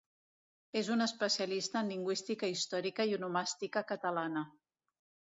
És un especialista en lingüística històrica i onomàstica catalana.